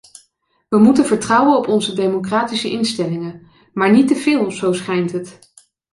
We moeten vertrouwen op onze democratische instellingen, maar niet te veel, zo schijnt het.